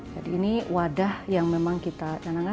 jadi ini wadah yang memang kita tanangkan